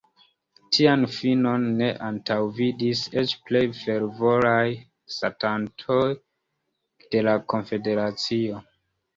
Tian finon ne antaŭvidis eĉ plej fervoraj ŝatantoj de la konfederacio.